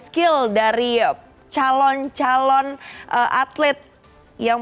skill dari calon calon atlet yang